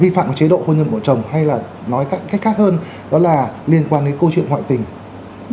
cái việc mà vi phạm chế độ hôn nhân buộc chồng hay là nói cách khác hơn đó là liên quan đến câu chuyện ngoại tình